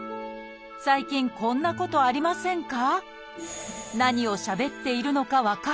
最近こんなことありませんか？